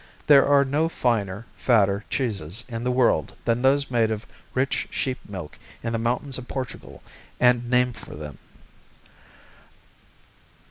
There are no finer, fatter cheeses in the world than those made of rich sheep milk in the mountains of Portugal and named for them.